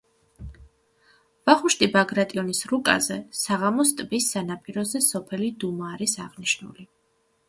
ვახუშტი ბაგრატიონის რუკაზე საღამოს ტბის სანაპიროზე სოფელი დუმა არის აღნიშნული.